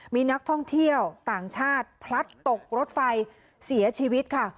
มีนักท่องเที่ยวต่างชาติพลัดตกรถไฟเสียชีวิตค่ะ